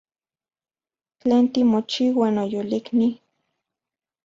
¿Tlen timochiua, noyolikni?